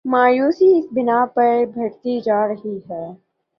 مایوسی اس بنا پہ بڑھتی جا رہی ہے۔